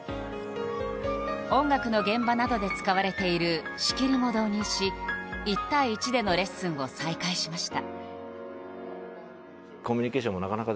音楽の現場などで使われている仕切りも導入し１対１でのレッスンを再開しました。